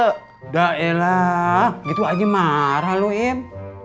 udah elah gitu aja marah lo im